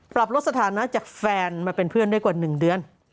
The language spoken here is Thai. ปรับลดสถานะจากแฟนมาเป็นเพื่อนได้กว่า๑เดือน